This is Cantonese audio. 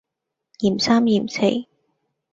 嫌三嫌四